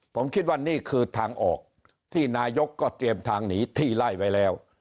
ผมคิดว่านี่คือทางออกที่นายกก็เตรียมทางหนีที่ไล่ไว้แล้ว